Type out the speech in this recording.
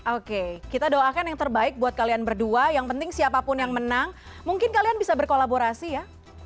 oke kita doakan yang terbaik buat kalian berdua yang penting siapapun yang menang mungkin kalian bisa berkolaborasi ya